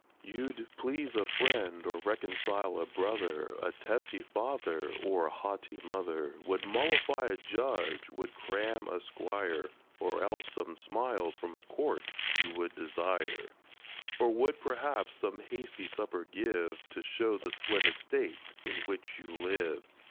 You'd please a friend, or reconcile a brother, A testy father, or a haughty mother; Would mollify a judge, would cram a squire, Or else some smiles from court you would desire; Or would, perhaps, some hasty supper give, To show the splendid state in which you live.